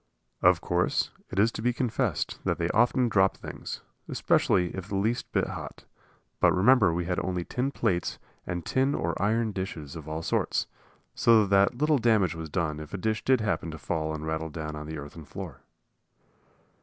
Of course, it is to be confessed that they often dropped things, especially if the least bit hot; but remember we had only tin plates and tin or iron dishes of all sorts, so that little damage was done if a dish did happen to fall and rattle down on the earthen floor.